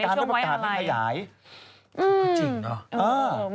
เพราะว่าทางประกาศไม่พยายาย